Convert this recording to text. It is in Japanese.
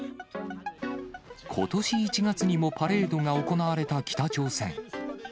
ことし１月にもパレードが行われた北朝鮮。